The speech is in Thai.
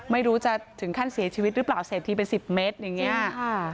ไม่รู้จะถึงขั้นเสียชีวิตหรือเปล่าเสพทีเป็น๑๐เมตรอย่างนี้